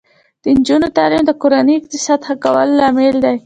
د نجونو تعلیم د کورنۍ اقتصاد ښه کولو لامل دی.